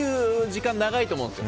時間長いと思うんです。